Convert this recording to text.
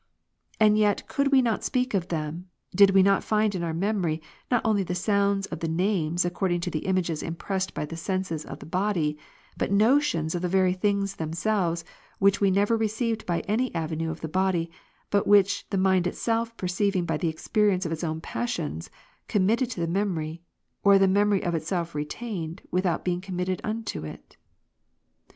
And yet could we not speak of them, did we not find in our memory, not only the sounds of the names according to the images impressed by the senses of the body, but notions of the very things themselves which we never received by any avenue of the body, but which the mind itself perceiving by the experience of its own passions, committed to the memory, or the memory of itself retained, without being committed unto it.